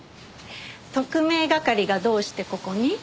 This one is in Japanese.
特命係がどうしてここに？